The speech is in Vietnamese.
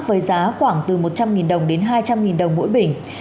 với giá khoảng từ một trăm linh đồng đến hai trăm linh đồng mỗi bình